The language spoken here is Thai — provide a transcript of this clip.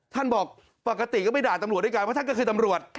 บอกปกติก็ไปด่าตำรวจด้วยกันเพราะท่านก็คือตำรวจ